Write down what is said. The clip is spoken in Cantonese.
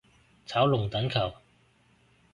炒龍躉球